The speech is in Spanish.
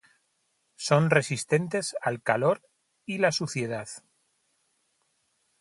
Son resistentes al calor y la suciedad.